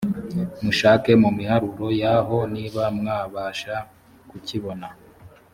mushake mu miharuro yaho niba mwabasha kukibona